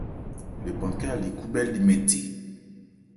Lephan khɛ́n a li khúbhɛ́ li mɛn the.